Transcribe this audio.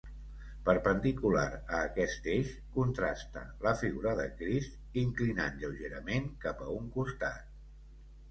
Perpendicular a aquest eix contrasta la figura de Crist, inclinant lleugerament cap a un costat.